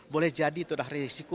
boleh jadi itu adalah risiko